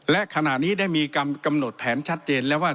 และขณะนี้ได้มีการกำหนดแผนชัดเจนแล้วว่า